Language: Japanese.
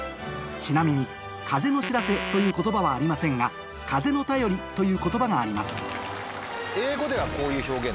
ちなみに「風の知らせ」という言葉はありませんが「風の便り」という言葉がありますって